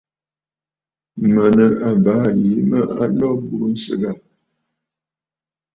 Mə̀ nɨ àbaa yìi mə a lo a aburə nsɨgə aà.